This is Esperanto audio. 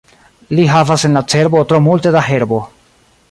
Li havas en la cerbo tro multe da herbo.